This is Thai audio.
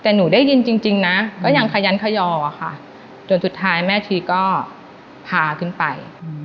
แต่หนูได้ยินจริงนะก็ยังขยันขยอค่ะจนสุดท้ายแม่ชีก็พาขึ้นไป